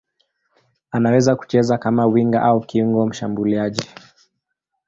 Anaweza kucheza kama winga au kiungo mshambuliaji.